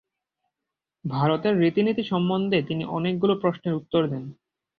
ভারতের রীতি-নীতি সম্বন্ধে তিনি অনেকগুলি প্রশ্নেরও উত্তর দেন।